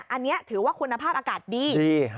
อันนี้ถือว่าคุณภาพอากาศดี